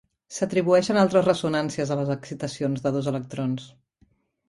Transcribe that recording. S'atribueixen altres ressonàncies a les excitacions de dos electrons.